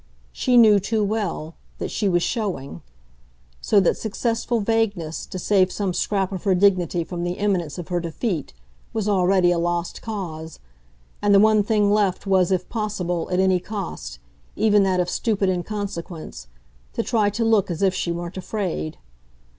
She knew too well that she was showing; so that successful vagueness, to save some scrap of her dignity from the imminence of her defeat, was already a lost cause, and the one thing left was if possible, at any cost, even that of stupid inconsequence, to try to look as if she weren't afraid.